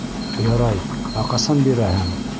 — Ярай, ә ҡасан бирәһең?